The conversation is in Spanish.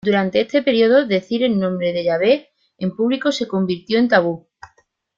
Durante este período, decir el nombre de Yahweh en público se convirtió en tabú.